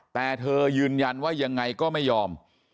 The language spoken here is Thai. แต่เธอยืนยันว่ายังไงก็ไม่ยอม